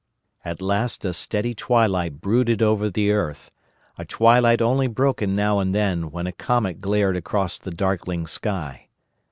At last a steady twilight brooded over the earth, a twilight only broken now and then when a comet glared across the darkling sky.